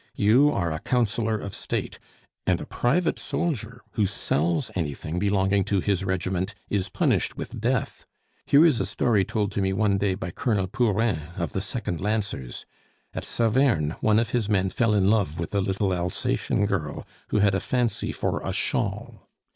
"You are a Councillor of State and a private soldier who sells anything belonging to his regiment is punished with death! Here is a story told to me one day by Colonel Pourin of the Second Lancers. At Saverne, one of his men fell in love with a little Alsatian girl who had a fancy for a shawl.